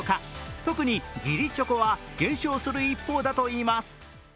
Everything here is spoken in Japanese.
特に義理チョコは減少する一方だといいます。